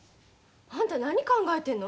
あんた何考えてんの？